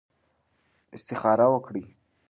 استخاره وکړئ.